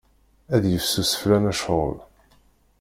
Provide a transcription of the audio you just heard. Ad yifsus fell-aneɣ ccɣel.